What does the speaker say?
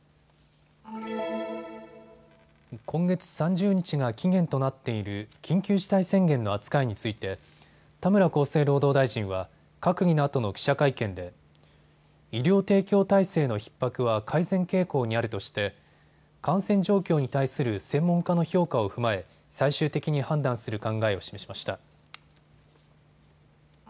今月３０日が期限となっている緊急事態宣言の扱いについて田村厚生労働大臣は閣議のあとの記者会見で医療提供体制のひっ迫は改善傾向にあるとして感染状況に対する専門家の評価を踏まえ最終的に判断する考えを示しました。